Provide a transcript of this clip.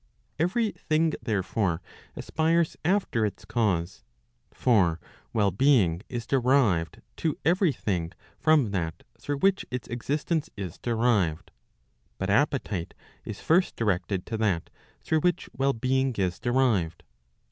Every thing, therefore, aspires after its cause. For well being is derived to every thing from that through which its existence is derived. But appetite is first directed to that through which well being is derived.